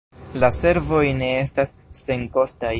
La servoj ne estas senkostaj.